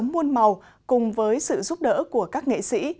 muôn màu cùng với sự giúp đỡ của các nghệ sĩ